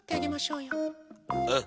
うん。